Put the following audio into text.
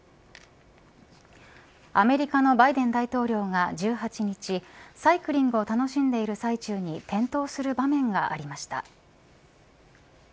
アメリカのバイデン大統領が１８日サイクリングを楽しんでいる際中に転倒する場面がありました。